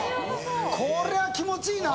これは気持ちいいな！